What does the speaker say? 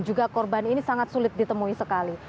juga korban ini sangat sulit ditemui sekali